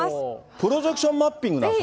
プロジェクションマッピングなんですか？